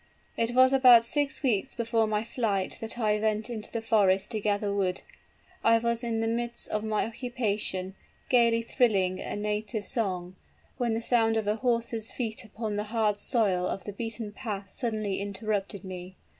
"It was about six weeks before my flight that I went into the forest to gather wood. I was in the midst of my occupation, gayly thrilling a native song, when the sound of a horse's feet upon the hard soil of the beaten path suddenly interrupted me.